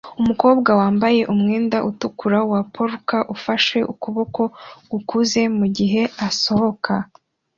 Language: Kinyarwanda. Umukobwa wambaye umwenda utukura wa polka ufashe ukuboko gukuze mugihe asohoka